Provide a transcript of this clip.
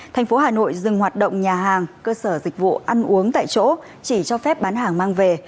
thành phố hà nội dừng hoạt động nhà hàng cơ sở dịch vụ ăn uống tại chỗ chỉ cho phép bán hàng mang về